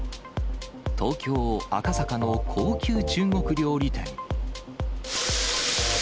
東京・赤坂の高級中国料理店。